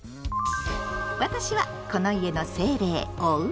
私はこの家の精霊「おうち」。